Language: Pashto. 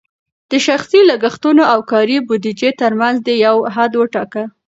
د شخصي لګښتونو او کاري بودیجې ترمنځ دې یو حد وټاکه.